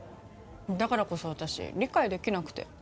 だからこそ私理解できなくて。